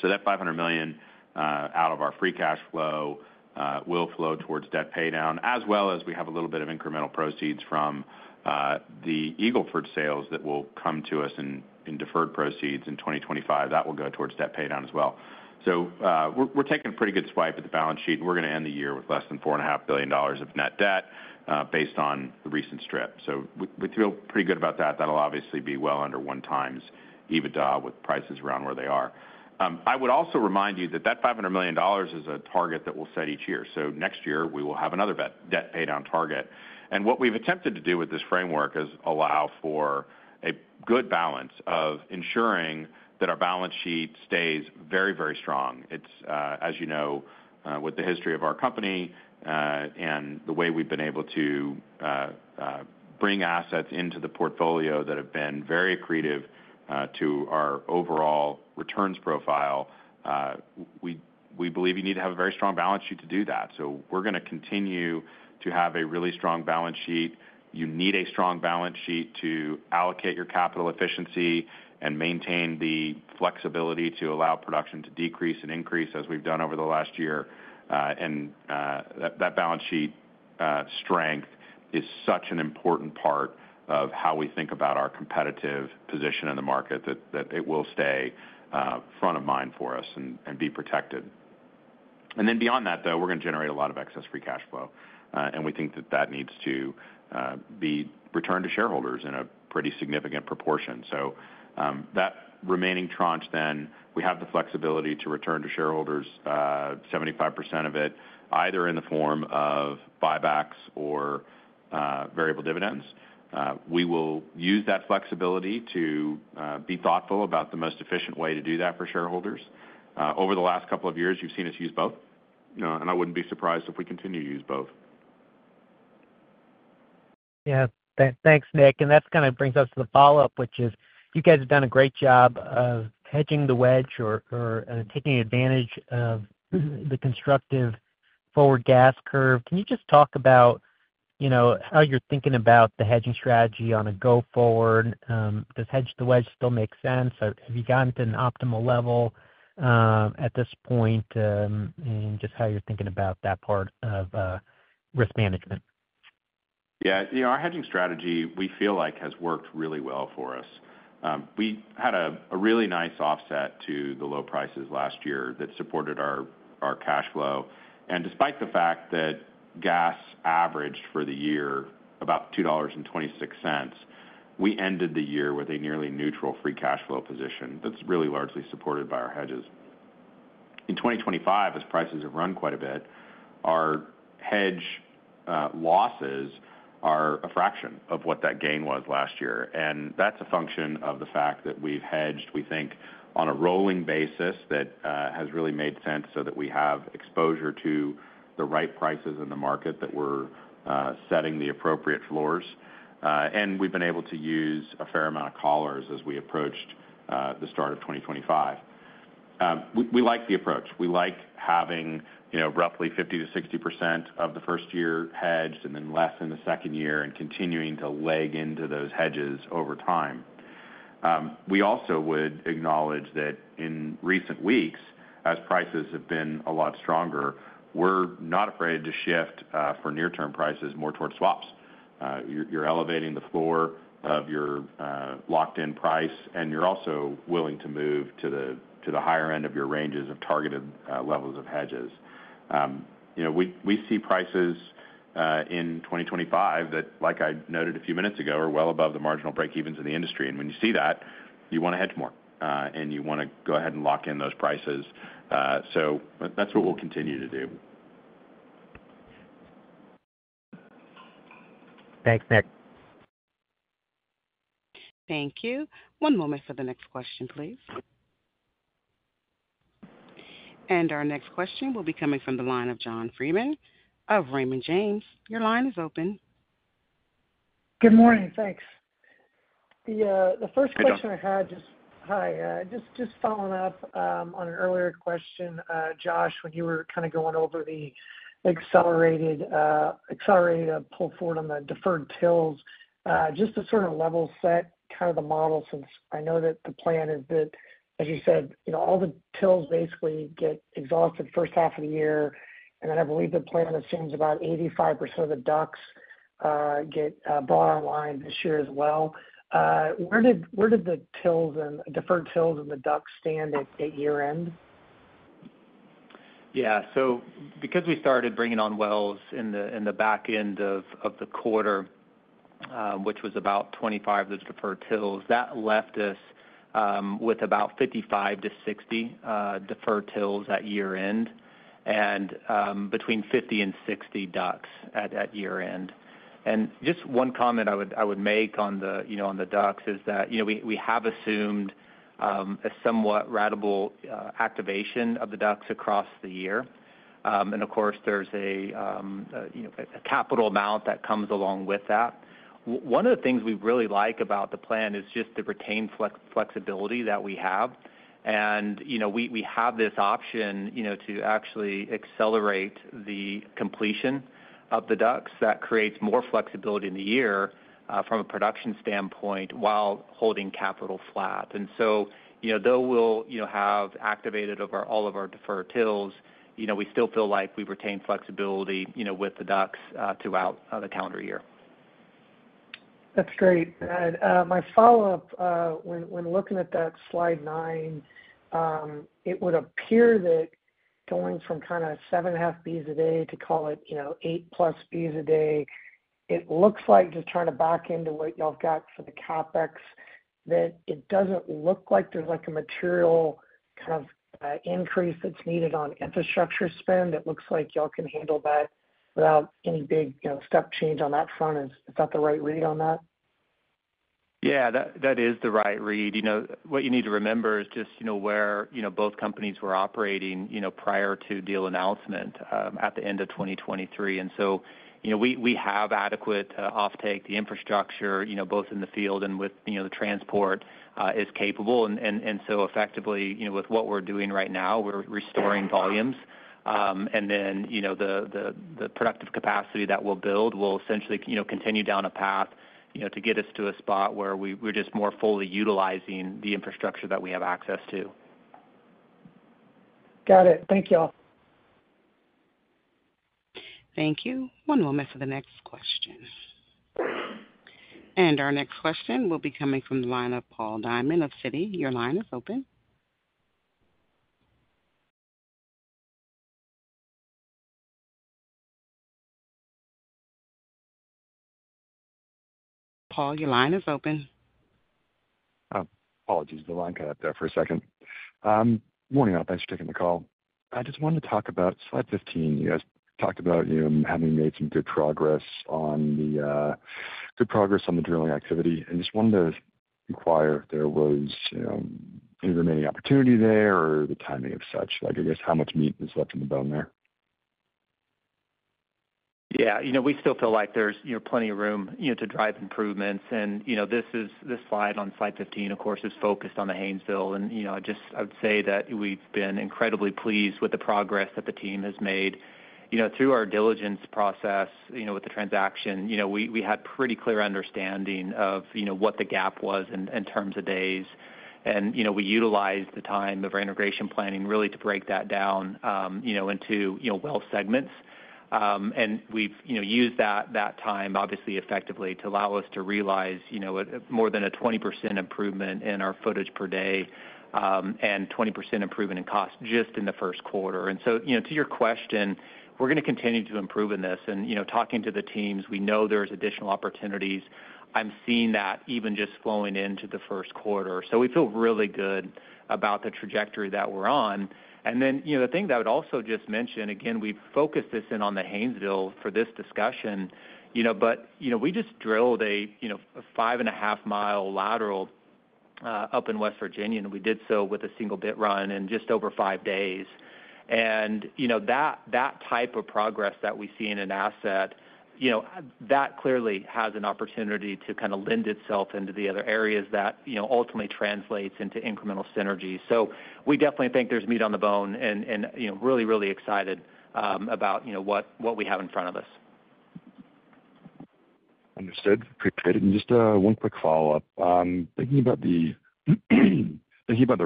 S3: So that $500 million out of our free cash flow will flow towards debt paydown, as well as we have a little bit of incremental proceeds from the Eagle Ford sales that will come to us in deferred proceeds in 2025. That will go towards debt paydown as well. So we're taking a pretty good swipe at the balance sheet. We're going to end the year with less than $4.5 billion of net debt based on the recent strip. So we feel pretty good about that. That'll obviously be well under 1x EBITDA with prices around where they are. I would also remind you that that $500 million is a target that we'll set each year. So next year, we will have another debt paydown target. What we've attempted to do with this framework is allow for a good balance of ensuring that our balance sheet stays very, very strong. As you know, with the history of our company and the way we've been able to bring assets into the portfolio that have been very accretive to our overall returns profile, we believe you need to have a very strong balance sheet to do that. We're going to continue to have a really strong balance sheet. You need a strong balance sheet to allocate your capital efficiency and maintain the flexibility to allow production to decrease and increase as we've done over the last year. That balance sheet strength is such an important part of how we think about our competitive position in the market that it will stay front of mind for us and be protected. Then beyond that, though, we're going to generate a lot of excess free cash flow. We think that that needs to be returned to shareholders in a pretty significant proportion. That remaining tranche then, we have the flexibility to return to shareholders, 75% of it, either in the form of buybacks or variable dividends. We will use that flexibility to be thoughtful about the most efficient way to do that for shareholders. Over the last couple of years, you've seen us use both. I wouldn't be surprised if we continue to use both.
S9: Yeah. Thanks, Nick. And that kind of brings us to the follow-up, which is you guys have done a great job of hedging the wedge or taking advantage of the constructive forward gas curve. Can you just talk about how you're thinking about the hedging strategy on a go-forward? Does hedge the wedge still make sense? Have you gotten to an optimal level at this point in just how you're thinking about that part of risk management?
S3: Yeah. Our hedging strategy, we feel like, has worked really well for us. We had a really nice offset to the low prices last year that supported our cash flow. And despite the fact that gas averaged for the year about $2.26, we ended the year with a nearly neutral free cash flow position that's really largely supported by our hedges. In 2025, as prices have run quite a bit, our hedge losses are a fraction of what that gain was last year. And that's a function of the fact that we've hedged, we think, on a rolling basis that has really made sense so that we have exposure to the right prices in the market that we're setting the appropriate floors. And we've been able to use a fair amount of collars as we approached the start of 2025. We like the approach. We like having roughly 50%-60% of the first year hedged and then less in the second year and continuing to leg into those hedges over time. We also would acknowledge that in recent weeks, as prices have been a lot stronger, we're not afraid to shift for near-term prices more towards swaps. You're elevating the floor of your locked-in price, and you're also willing to move to the higher end of your ranges of targeted levels of hedges. We see prices in 2025 that, like I noted a few minutes ago, are well above the marginal breakevens in the industry, and when you see that, you want to hedge more, and you want to go ahead and lock in those prices, so that's what we'll continue to do.
S9: Thanks, Nick.
S1: Thank you. One moment for the next question, please. And our next question will be coming from the line of John Freeman of Raymond James. Your line is open.
S10: Good morning. Thanks. The first question I had, just hi, just following up on an earlier question, Josh, when you were kind of going over the accelerated pull forward on the deferred TILs, just to sort of level set kind of the model since I know that the plan is that, as you said, all the TILs basically get exhausted first half of the year. And then I believe the plan assumes about 85% of the DUCs get brought online this year as well. Where did the TILs and deferred TILs and the DUCs stand at year-end?
S7: Yeah. So because we started bringing on wells in the back end of the quarter, which was about 25 of those deferred TILs, that left us with about 55-60 deferred TILs at year-end and between 50 and 60 DUCs at year-end. And just one comment I would make on the DUCs is that we have assumed a somewhat ratable activation of the DUCs across the year. And of course, there's a capital amount that comes along with that. One of the things we really like about the plan is just the retained flexibility that we have. And we have this option to actually accelerate the completion of the DUCs. That creates more flexibility in the year from a production standpoint while holding capital flat. And so though we'll have activated all of our deferred TILs, we still feel like we retain flexibility with the DUCs throughout the calendar year.
S4: That's great. My follow-up, when looking at that slide 9, it would appear that going from kind of 7.5 Bs a day to call it 8-plus Bs a day, it looks like just trying to back into what y'all got for the CapEx, that it doesn't look like there's a material kind of increase that's needed on infrastructure spend that looks like y'all can handle that without any big step change on that front. Is that the right read on that?
S7: Yeah, that is the right read. What you need to remember is just where both companies were operating prior to deal announcement at the end of 2023. And so we have adequate offtake. The infrastructure, both in the field and with the transport, is capable. And so effectively, with what we're doing right now, we're restoring volumes. And then the productive capacity that we'll build will essentially continue down a path to get us to a spot where we're just more fully utilizing the infrastructure that we have access to.
S4: Got it. Thank y'all.
S1: Thank you. One moment for the next question. And our next question will be coming from the line of Paul Diamond of Citi. Your line is open. Paul, your line is open.
S11: Apologies. The line cut out there for a second. Good morning, all. Thanks for taking the call. I just wanted to talk about Slide 15. You guys talked about having made some good progress on the good progress on the drilling activity, and just wanted to inquire if there was any remaining opportunity there or the timing of such. I guess how much meat is left in the bone there?
S7: Yeah. We still feel like there's plenty of room to drive improvements. And this slide on Slide 15, of course, is focused on the Haynesville. And I would say that we've been incredibly pleased with the progress that the team has made. Through our diligence process with the transaction, we had pretty clear understanding of what the gap was in terms of days. And we utilized the time of our integration planning really to break that down into well segments. And we've used that time, obviously, effectively to allow us to realize more than a 20% improvement in our footage per day and 20% improvement in cost just in the first quarter. And so to your question, we're going to continue to improve in this. And talking to the teams, we know there are additional opportunities. I'm seeing that even just flowing into the first quarter. So we feel really good about the trajectory that we're on. And then the thing that I would also just mention, again, we focused this in on the Haynesville for this discussion, but we just drilled a 5.5-mile lateral up in West Virginia. And we did so with a single bit run in just over five days. And that type of progress that we see in an asset, that clearly has an opportunity to kind of lend itself into the other areas that ultimately translates into incremental synergy. So we definitely think there's meat on the bone and really, really excited about what we have in front of us.
S5: Understood. Appreciate it. And just one quick follow-up. Thinking about the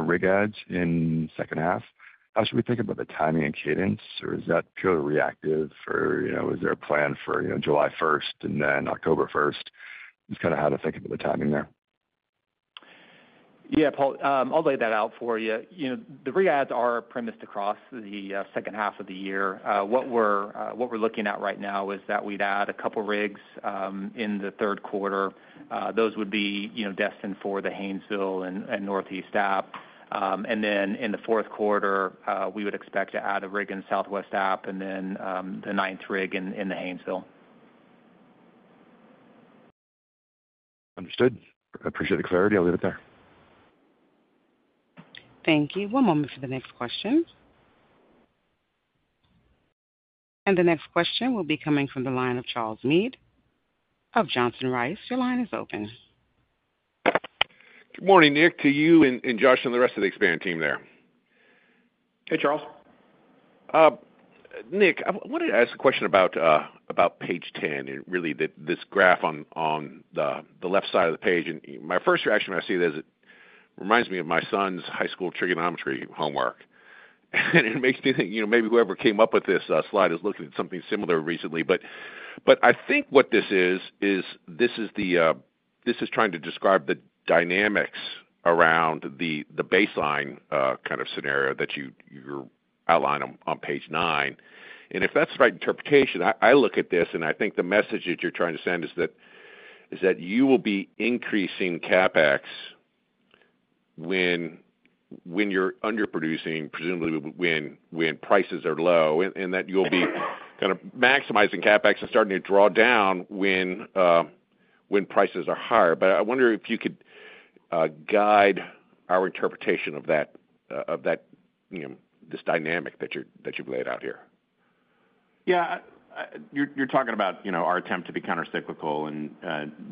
S5: rig adds in second half, how should we think about the timing and cadence? Or is that purely reactive? Or is there a plan for July 1st and then October 1st? Just kind of how to think about the timing there.
S7: Yeah, Paul, I'll lay that out for you. The rig adds are planned across the second half of the year. What we're looking at right now is that we'd add a couple of rigs in the third quarter. Those would be destined for the Haynesville and Northeast Appalachia. And then in the fourth quarter, we would expect to add a rig in Southwest Appalachia and then the ninth rig in the Haynesville.
S5: Understood. Appreciate the clarity. I'll leave it there.
S1: Thank you. One moment for the next question. And the next question will be coming from the line of Charles Meade of Johnson Rice. Your line is open.
S12: Good morning, Nick, to you and Josh and the rest of the Expand team there.
S3: Hey, Charles.
S12: Nick, I wanted to ask a question about page 10 and really this graph on the left side of the page, and my first reaction when I see it is it reminds me of my son's high school trigonometry homework, and it makes me think maybe whoever came up with this slide is looking at something similar recently, but I think what this is, is this is trying to describe the dynamics around the baseline kind of scenario that you outline on page 9, and if that's the right interpretation, I look at this and I think the message that you're trying to send is that you will be increasing CapEx when you're underproducing, presumably when prices are low, and that you'll be kind of maximizing CapEx and starting to draw down when prices are higher. But I wonder if you could guide our interpretation of this dynamic that you've laid out here.
S3: Yeah. You're talking about our attempt to be countercyclical, and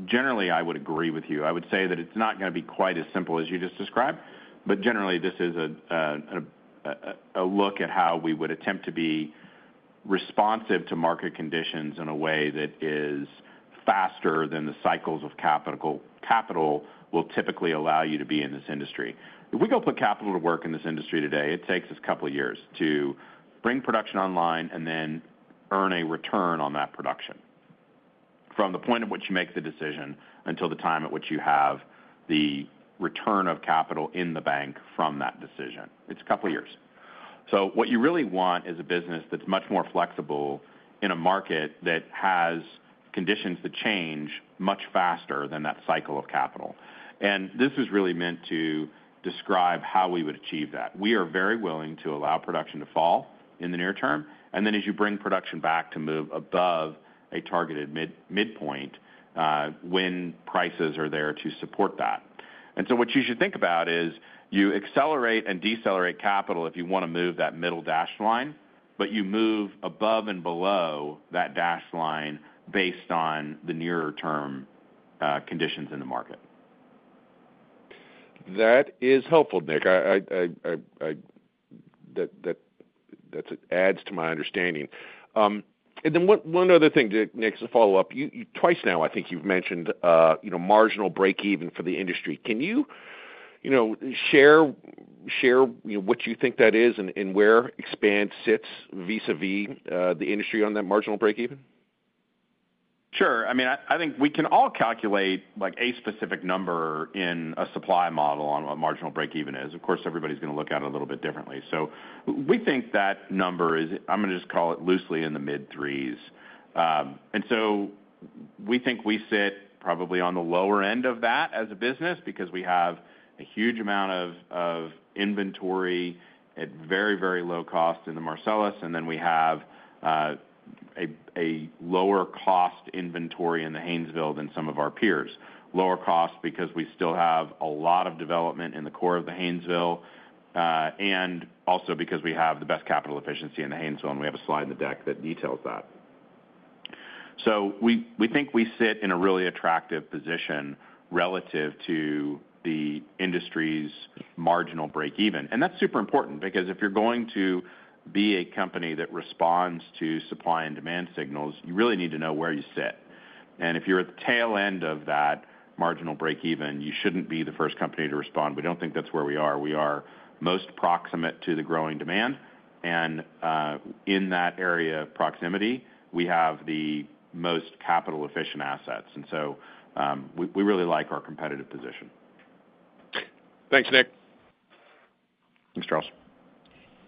S3: generally, I would agree with you. I would say that it's not going to be quite as simple as you just described, but generally, this is a look at how we would attempt to be responsive to market conditions in a way that is faster than the cycles of capital will typically allow you to be in this industry. If we go put capital to work in this industry today, it takes us a couple of years to bring production online and then earn a return on that production from the point at which you make the decision until the time at which you have the return of capital in the bank from that decision. It's a couple of years. So what you really want is a business that's much more flexible in a market that has conditions that change much faster than that cycle of capital. And this is really meant to describe how we would achieve that. We are very willing to allow production to fall in the near term. And then as you bring production back to move above a targeted midpoint when prices are there to support that. And so what you should think about is you accelerate and decelerate capital if you want to move that middle dash line, but you move above and below that dash line based on the nearer-term conditions in the market.
S12: That is helpful, Nick. That adds to my understanding, and then one other thing, Nick, to follow up. Twice now, I think you've mentioned marginal breakeven for the industry. Can you share what you think that is and where Expand sits vis-à-vis the industry on that marginal breakeven?
S3: Sure. I mean, I think we can all calculate a specific number in a supply model on what marginal breakeven is. Of course, everybody's going to look at it a little bit differently. So we think that number is, I'm going to just call it loosely in the mid-threes. And so we think we sit probably on the lower end of that as a business because we have a huge amount of inventory at very, very low cost in the Marcellus. And then we have a lower-cost inventory in the Haynesville than some of our peers. Lower cost because we still have a lot of development in the core of the Haynesville and also because we have the best capital efficiency in the Haynesville. And we have a slide in the deck that details that. So we think we sit in a really attractive position relative to the industry's marginal breakeven. And that's super important because if you're going to be a company that responds to supply and demand signals, you really need to know where you sit. And if you're at the tail end of that marginal breakeven, you shouldn't be the first company to respond. We don't think that's where we are. We are most proximate to the growing demand. And in that area of proximity, we have the most capital-efficient assets. And so we really like our competitive position.
S12: Thanks, Nick.
S3: Thanks, Charles.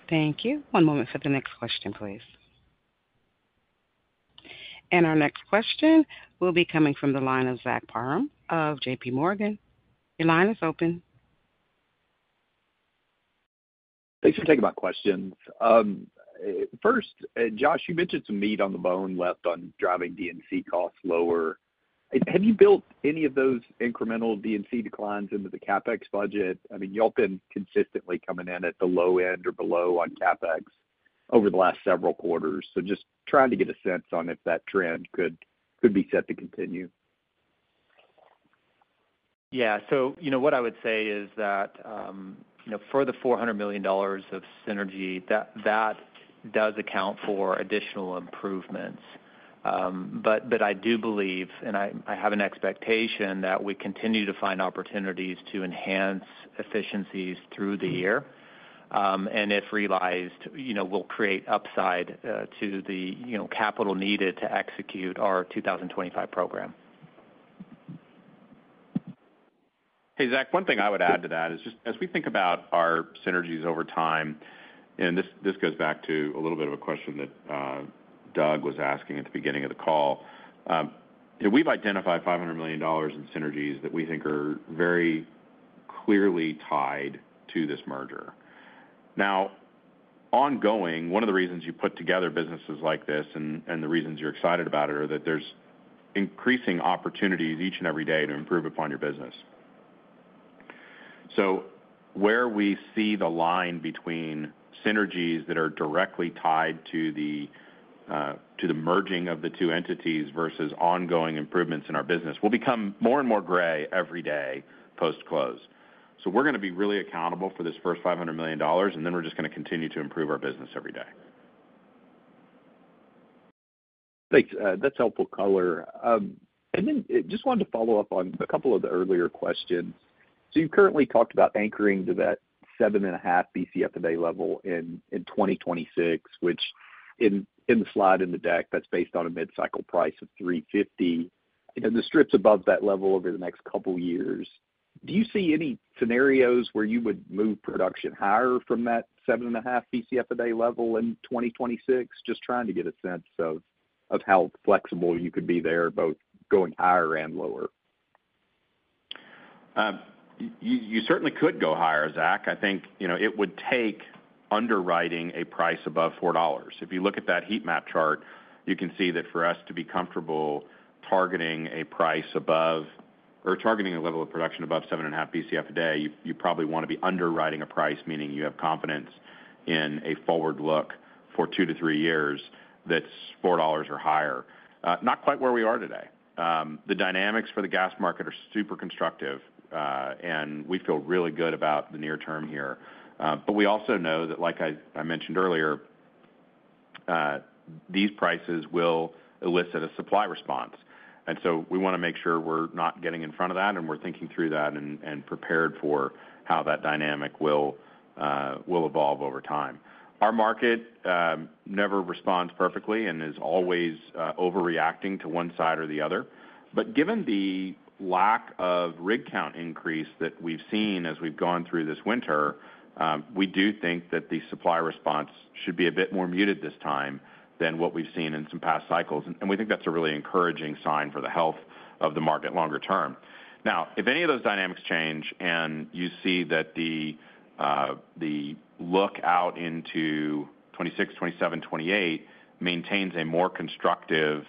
S1: Thank you. One moment for the next question, please. And our next question will be coming from the line of Zach Parham of JPMorgan. Your line is open.
S13: Thanks for taking my questions. First, Josh, you mentioned some meat on the bone left on driving D&C costs lower. Have you built any of those incremental D&C declines into the CapEx budget? I mean, y'all have been consistently coming in at the low end or below on CapEx over the last several quarters. So just trying to get a sense on if that trend could be set to continue.
S7: Yeah. So what I would say is that for the $400 million of synergy, that does account for additional improvements. But I do believe, and I have an expectation, that we continue to find opportunities to enhance efficiencies through the year. And if realized, we'll create upside to the capital needed to execute our 2025 program.
S3: Hey, Zach, one thing I would add to that is just as we think about our synergies over time, and this goes back to a little bit of a question that Doug was asking at the beginning of the call. We've identified $500 million in synergies that we think are very clearly tied to this merger. Now, ongoing, one of the reasons you put together businesses like this and the reasons you're excited about it are that there's increasing opportunities each and every day to improve upon your business. So where we see the line between synergies that are directly tied to the merging of the two entities versus ongoing improvements in our business will become more and more gray every day post-close. So we're going to be really accountable for this first $500 million, and then we're just going to continue to improve our business every day.
S13: Thanks. That's helpful color. And then just wanted to follow up on a couple of the earlier questions. So you currently talked about anchoring to that 7.5 Bcf a day level in 2026, which in the slide in the deck, that's based on a mid-cycle price of $3.50. The strips above that level over the next couple of years, do you see any scenarios where you would move production higher from that 7.5 Bcf a day level in 2026? Just trying to get a sense of how flexible you could be there, both going higher and lower.
S3: You certainly could go higher, Zach. I think it would take underwriting a price above $4. If you look at that heat map chart, you can see that for us to be comfortable targeting a price above or targeting a level of production above 7.5 Bcf a day, you probably want to be underwriting a price, meaning you have confidence in a forward look for two to three years that's $4 or higher. Not quite where we are today. The dynamics for the gas market are super constructive, and we feel really good about the near term here. But we also know that, like I mentioned earlier, these prices will elicit a supply response. And so we want to make sure we're not getting in front of that, and we're thinking through that and prepared for how that dynamic will evolve over time. Our market never responds perfectly and is always overreacting to one side or the other. But given the lack of rig count increase that we've seen as we've gone through this winter, we do think that the supply response should be a bit more muted this time than what we've seen in some past cycles. And we think that's a really encouraging sign for the health of the market longer term. Now, if any of those dynamics change and you see that the look out into 2026, 2027, 2028 maintains a more constructive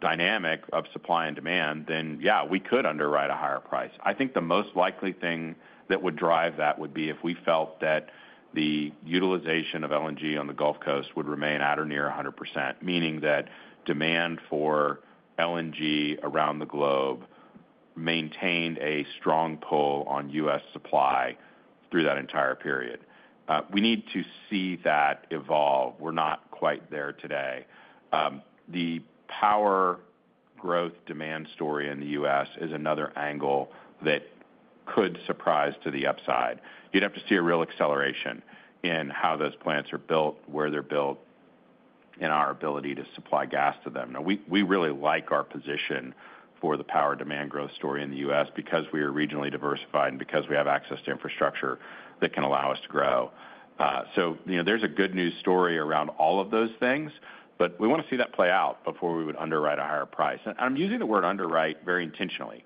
S3: dynamic of supply and demand, then, yeah, we could underwrite a higher price. I think the most likely thing that would drive that would be if we felt that the utilization of LNG on the Gulf Coast would remain at or near 100%, meaning that demand for LNG around the globe maintained a strong pull on U.S. supply through that entire period. We need to see that evolve. We're not quite there today. The power growth demand story in the U.S. is another angle that could surprise to the upside. You'd have to see a real acceleration in how those plants are built, where they're built, and our ability to supply gas to them. We really like our position for the power demand growth story in the U.S. because we are regionally diversified and because we have access to infrastructure that can allow us to grow. So there's a good news story around all of those things, but we want to see that play out before we would underwrite a higher price. And I'm using the word underwrite very intentionally.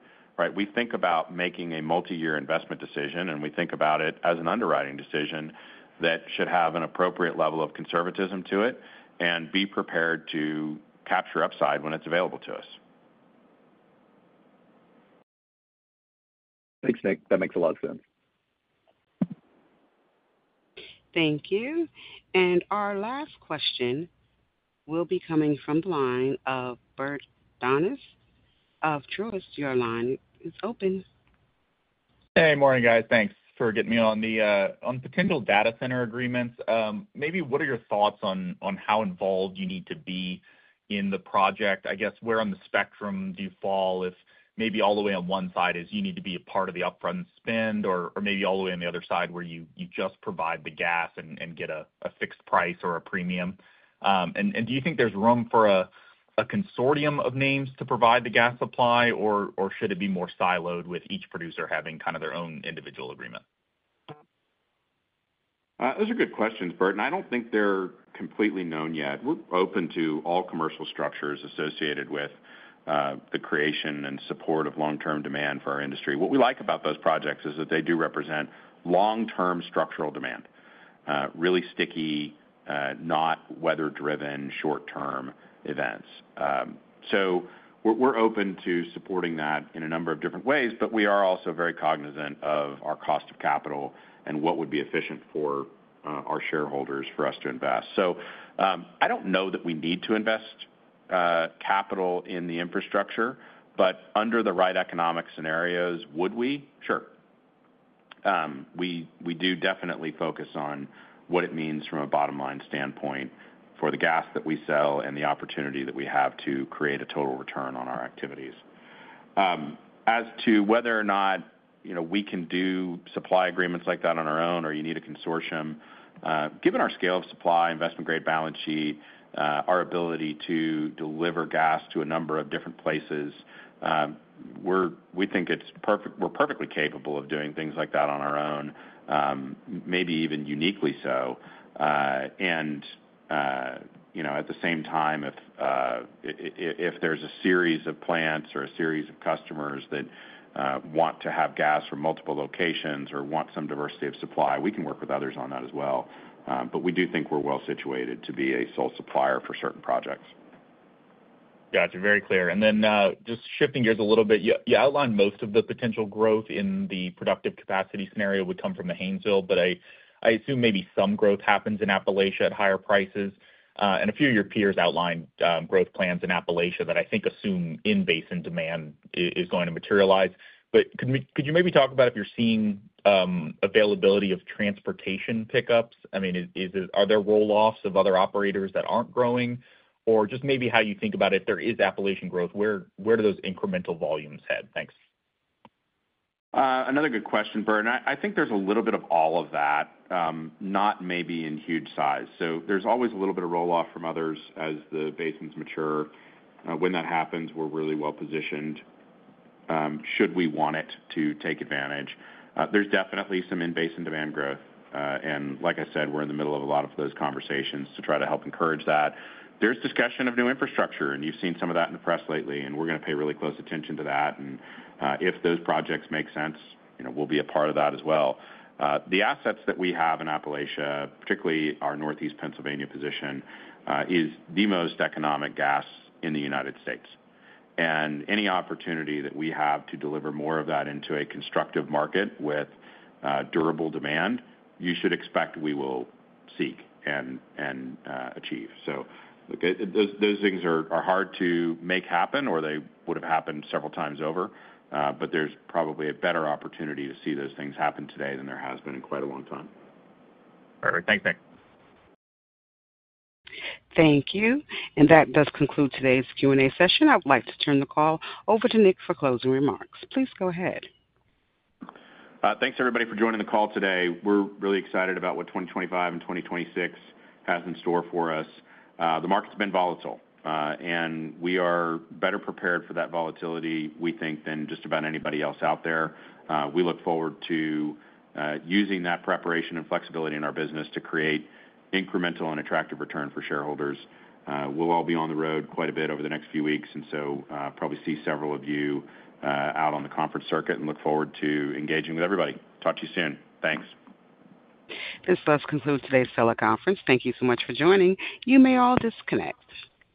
S3: We think about making a multi-year investment decision, and we think about it as an underwriting decision that should have an appropriate level of conservatism to it and be prepared to capture upside when it's available to us.
S13: Thanks, Nick. That makes a lot of sense.
S1: Thank you, and our last question will be coming from the line of Bert Donnes of Truist. Your line is open.
S14: Hey, morning, guys. Thanks for getting me on the potential data center agreements. Maybe what are your thoughts on how involved you need to be in the project? I guess where on the spectrum do you fall if maybe all the way on one side is you need to be a part of the upfront spend or maybe all the way on the other side where you just provide the gas and get a fixed price or a premium? And do you think there's room for a consortium of names to provide the gas supply, or should it be more siloed with each producer having kind of their own individual agreement?
S3: Those are good questions, Bert, and I don't think they're completely known yet. We're open to all commercial structures associated with the creation and support of long-term demand for our industry. What we like about those projects is that they do represent long-term structural demand, really sticky, not weather-driven short-term events, so we're open to supporting that in a number of different ways, but we are also very cognizant of our cost of capital and what would be efficient for our shareholders for us to invest, so I don't know that we need to invest capital in the infrastructure, but under the right economic scenarios, would we? Sure. We do definitely focus on what it means from a bottom-line standpoint for the gas that we sell and the opportunity that we have to create a total return on our activities. As to whether or not we can do supply agreements like that on our own or you need a consortium, given our scale of supply, investment-grade balance sheet, our ability to deliver gas to a number of different places, we think we're perfectly capable of doing things like that on our own, maybe even uniquely so. And at the same time, if there's a series of plants or a series of customers that want to have gas from multiple locations or want some diversity of supply, we can work with others on that as well. But we do think we're well situated to be a sole supplier for certain projects.
S14: Yeah, it's very clear. And then just shifting gears a little bit, you outlined most of the potential growth in the productive capacity scenario would come from the Haynesville, but I assume maybe some growth happens in Appalachia at higher prices. And a few of your peers outlined growth plans in Appalachia that I think assume in-basin demand is going to materialize. But could you maybe talk about if you're seeing availability of transportation pickups? I mean, are there roll-offs of other operators that aren't growing? Or just maybe how you think about if there is Appalachian growth, where do those incremental volumes head? Thanks.
S3: Another good question, Bert. I think there's a little bit of all of that, not maybe in huge size. There's always a little bit of roll-off from others as the basins mature. When that happens, we're really well positioned should we want to take advantage. There's definitely some in-basin demand growth. Like I said, we're in the middle of a lot of those conversations to try to help encourage that. There's discussion of new infrastructure, and you've seen some of that in the press lately, and we're going to pay really close attention to that. If those projects make sense, we'll be a part of that as well. The assets that we have in Appalachia, particularly our Northeast Pennsylvania position, is the most economic gas in the United States. Any opportunity that we have to deliver more of that into a constructive market with durable demand, you should expect we will seek and achieve. Those things are hard to make happen, or they would have happened several times over, but there's probably a better opportunity to see those things happen today than there has been in quite a long time.
S14: Perfect. Thanks, Nick.
S1: Thank you. And that does conclude today's Q&A session. I'd like to turn the call over to Nick for closing remarks. Please go ahead.
S3: Thanks, everybody, for joining the call today. We're really excited about what 2025 and 2026 has in store for us. The market's been volatile, and we are better prepared for that volatility, we think, than just about anybody else out there. We look forward to using that preparation and flexibility in our business to create incremental and attractive return for shareholders. We'll all be on the road quite a bit over the next few weeks, and so probably see several of you out on the conference circuit and look forward to engaging with everybody. Talk to you soon. Thanks.
S1: This does conclude today's teleconference. Thank you so much for joining. You may all disconnect.